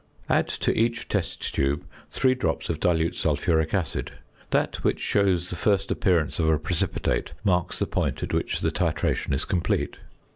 Add to each test tube 3 drops of dilute sulphuric acid; that which shows the first appearance of a precipitate marks the point at which the titration is complete.